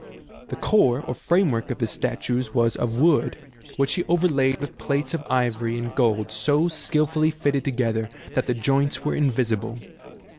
The core or the framework of his statues was of wood, which he overlaid with plates of ivory and gold so skilfully fitted together that the joints were invisible.